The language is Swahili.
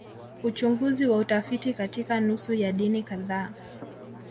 Uchunguzi wa utafiti katika nusu ya dini kadhaa